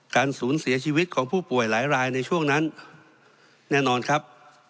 การสูญเสียชีวิตของผู้ป่วยหลายรายในช่วงนั้นแน่นอนครับ